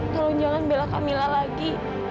tolong jangan bela camilla lagi